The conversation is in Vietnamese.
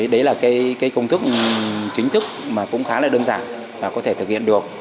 đấy là cái công thức chính thức mà cũng khá là đơn giản và có thể thực hiện được